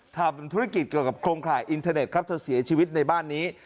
ทำธุรกิจเกี่ยวกับโครงข่ายอินเทอร์เน็ตครับเธอเสียชีวิตในบ้านนี้